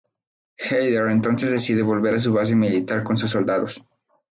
Heidern entonces decide volver a su base militar con sus soldados.